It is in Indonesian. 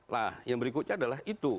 nah yang berikutnya adalah itu